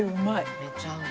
めちゃうま。